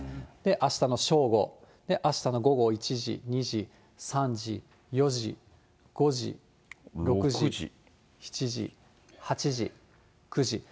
あしたの正午、あしたの午後１時、２時、３時、４時、５時、６時、７時、８時、９時。